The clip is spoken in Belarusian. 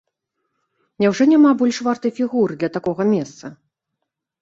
Няўжо няма больш вартай фігуры для такога месца?